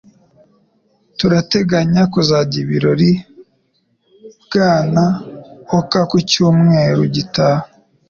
Turateganya kuzagira ibirori Bwana Oka ku cyumweru gitaha.